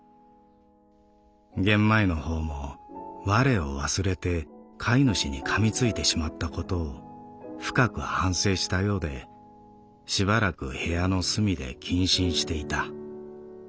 ゲンマイのほうも我を忘れて飼い主に噛みついてしまったことを深く反省したようでしばらく部屋の隅で謹慎していた。